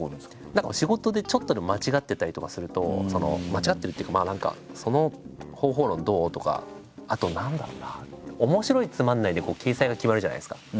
何か仕事でちょっとでも間違ってたりとかすると間違ってるっていうか何かその方法論どう？とかあと何だろうな面白いつまんないで掲載が決まるじゃないですか。